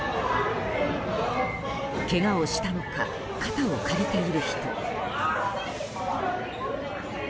けがをしたのか肩を借りている人。